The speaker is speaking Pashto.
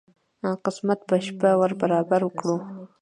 قسمت په شپه ور برابر کړو.